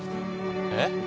えっ？